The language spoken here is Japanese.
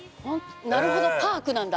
なるほど「パーク」なんだ。